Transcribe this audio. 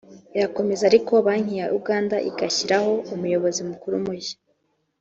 irakomeza ariko Banki ya Uganda igashyiraho Umuyobozi Mukuru mushya